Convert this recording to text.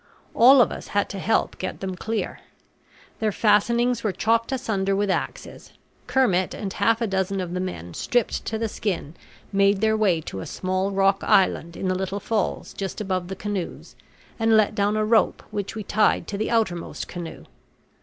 All of us had to help get them clear. Their fastenings were chopped asunder with axes. Kermit and half a dozen of the men, stripped to the skin, made their way to a small rock island in the little falls just above the canoes, and let down a rope which we tied to the outermost canoe.